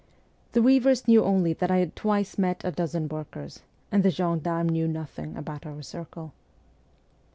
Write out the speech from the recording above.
The weavers knew only that I had twice met a dozen workers, and the gendarmes knew nothing about our circle.